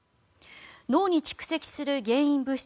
脳に蓄積する原因物質